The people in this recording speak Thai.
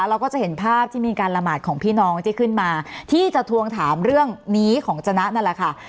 เราก็จะเห็นภาพที่มีการละหมาดของพี่น้องที่ขึ้นมาที่จะทวงถามเรื่องนี้ของจนะนั่นแหละค่ะ